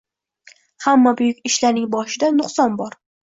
Hamma buyuk ishlarning boshida nuqson bor